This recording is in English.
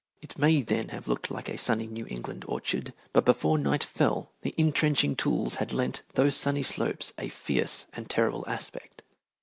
It may then have looked like a sunny New England orchard, but before night fell the intrenching tools had lent those sunny slopes "a fierce and terrible aspect."